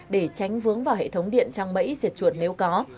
để tránh vướng vào hệ thống điện trăng bẫy diệt chuột nếu có